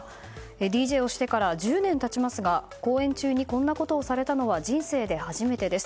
ＤＪをしてから１０年が経ちますが公演中にこんなことをされたのは人生で初めてです。